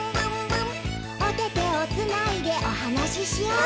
「おててをつないでおはなししよう」